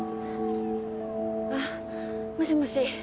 あっもしもし。